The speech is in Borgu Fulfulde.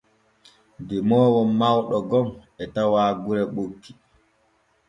Demoowo mawɗo gom e tawa gure ɓokki.